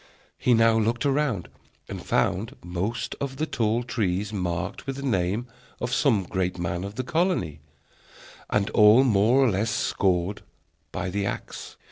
He now looked around, and found most of the tall trees marked with the name of some great man of the colony, and all more or less scored by the axe.